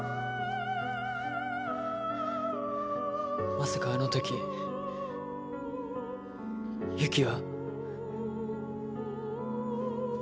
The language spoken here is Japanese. まさかあの時ユキは。